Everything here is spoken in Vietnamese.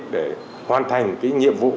để hoàn thành cái nhiệm vụ